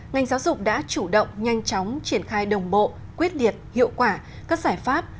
ngành giáo dục đã chủ động nhanh chóng triển khai đồng bộ quyết liệt hiệu quả các giải pháp